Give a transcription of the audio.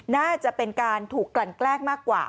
น่าจะเป็นการถูกกลั่นแกล้งมากกว่า